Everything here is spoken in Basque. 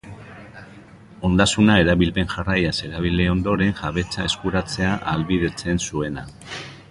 Ondasuna erabilpen jarraiaz erabili ondoren jabetza eskuratzea ahalbidetzen zuena.